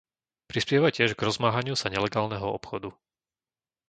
Prispieva tiež k rozmáhaniu sa nelegálneho obchodu.